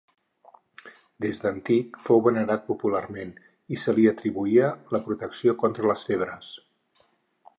Des d'antic fou venerat popularment, i se li atribuïa la protecció contra les febres.